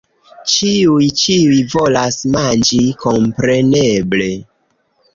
Ĉiuj... ĉiuj volas manĝi kompreneble!